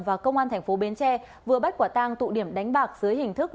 và công an tp bến tre vừa bắt quả tang tụ điểm đánh bạc dưới hình thức